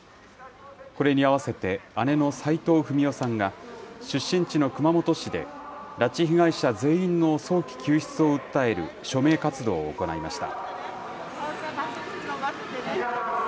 これに合わせて姉の斉藤文代さんが、出身地の熊本市で、拉致被害者全員の早期救出を訴える署名活動を行いました。